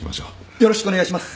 よろしくお願いします！